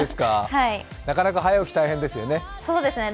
なかなか早起き大変ですよね。